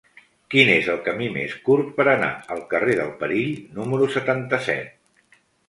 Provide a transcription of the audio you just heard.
Quin és el camí més curt per anar al carrer del Perill número setanta-set?